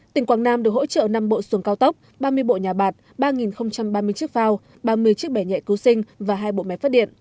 tỉnh quảng nam được hỗ trợ năm bộ xuồng cao tốc ba mươi bộ nhà bạc ba ba mươi chiếc phao ba mươi chiếc bẻ nhẹ cứu sinh và hai bộ máy phát điện